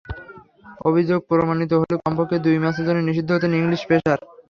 অভিযোগ প্রমাণিত হলে কমপক্ষে দুই ম্যাচের জন্য নিষিদ্ধ হতেন ইংলিশ পেসার।